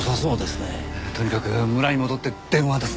とにかく村に戻って電話ですね。